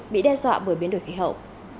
bị đe dọa bởi biến đổi khí hậu